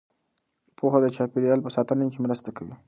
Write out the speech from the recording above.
پوهه د چاپیریال په ساتنه کې مرسته کوي.